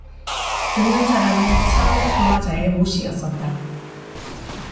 듣는 사람은 사회 교화자의 모씨였었다.